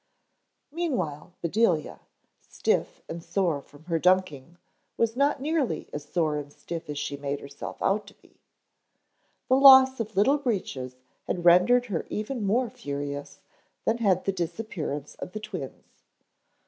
Meanwhile Bedelia, stiff and sore from her ducking was not nearly as sore and stiff as she made herself out to be. The loss of Little Breeches had rendered her even more furious than had the disappearance of the twins.